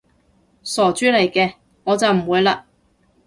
傻豬嚟嘅，我就唔會嘞